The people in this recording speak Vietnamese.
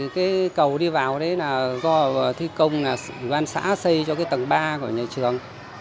cây cầu đi vào đó là do thi công do an xã xây cho tầng ba của nhà trường